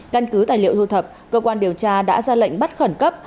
căn cứ tài liệu lưu thập cơ quan điều tra đã ra lệnh bắt khẩn cấp